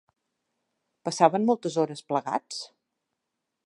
Passaven moltes hores plegats?